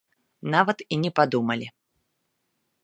Нават і не падумалі.